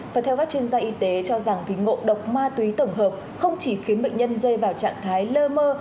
và theo các chuyên gia y tế cho rằng ngộ độc ma túy tổng hợp không chỉ khiến bệnh nhân rơi vào trạng thái lơ mơ